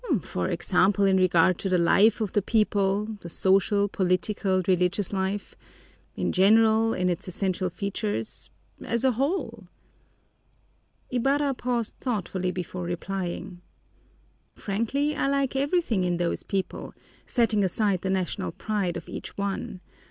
"For example, in regard to the life of the people the social, political, religious life in general, in its essential features as a whole." Ibarra paused thoughtfully before replying. "Frankly, I like everything in those people, setting aside the national pride of each one.